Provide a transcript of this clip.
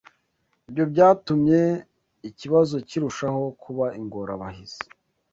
Ibyo byatumye ikibazo kirushaho kuba ingorabahizi.